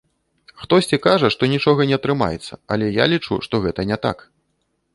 Хтосьці кажа, што нічога не атрымаецца, але я лічу, што гэта не так.